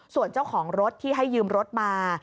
ส่วนเจ้าของรถที่ให้ยืมรถมา